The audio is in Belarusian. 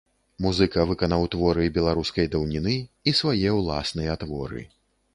Музыка выканаў творы беларускай даўніны і свае ўласныя творы.